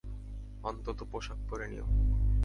অন্তঃত পোষাক পরে নিও।